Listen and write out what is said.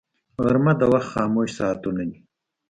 غرمه د وخت خاموش ساعتونه دي